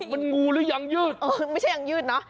มันงูหรือยังยืดเออไม่ใช่ยังยืดเนอะ